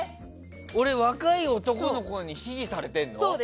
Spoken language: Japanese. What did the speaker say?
俺、若い男の子に支持されてんの？